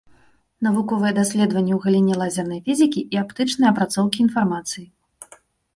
Навуковыя даследаванні ў галіне лазернай фізікі і аптычнай апрацоўкі інфармацыі.